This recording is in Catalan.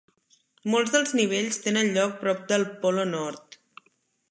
Molts dels nivells tenen lloc prop del Polo Nord.